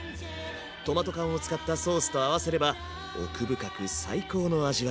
トマト缶を使ったソースと合わせれば奥深く最高の味わいに。